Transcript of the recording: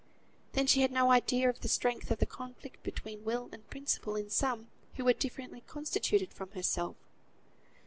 Then, she had no idea of the strength of the conflict between will and principle in some who were differently constituted from herself.